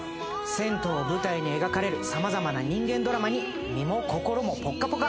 銭湯を舞台に描かれる様々な人間ドラマに身も心もポッカポカ！